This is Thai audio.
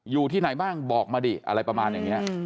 อยู่ที่ไหนบ้างบอกมาดิอะไรประมาณอย่างนี้